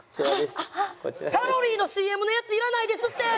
カロリーのＣＭのやついらないですって！